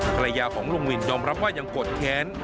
ภรรยาของลุงวินยอมรับว่ายังโกรธแค้น